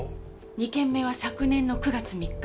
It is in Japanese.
２件目は昨年の９月３日。